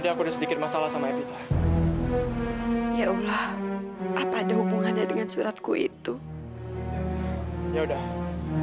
aku takut gak bisa menerima kenyataan